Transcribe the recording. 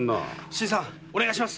新さんお願いします。